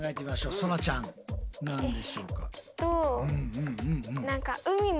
そらちゃん何でしょうか？